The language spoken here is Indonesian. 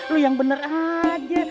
lu yang bener aja